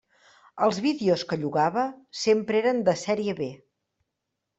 Els vídeos que llogava sempre eren de sèrie B.